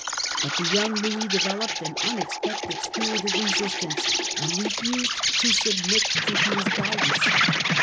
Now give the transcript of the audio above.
But the young Louis developed an unexpected spirit of resist ance, and refused to submit to Hugh's guidance.